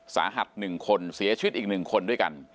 สาหัส๑คนเสียชีวิตอีก๑คนด้วยกัน